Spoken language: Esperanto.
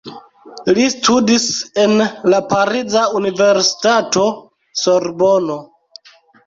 Li studis en la pariza universitato Sorbono.